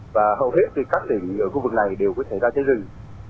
và hầu hết thì các tỉnh ở khu vực này đều có xảy ra cháy rừng